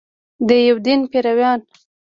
د یو دین پیروان.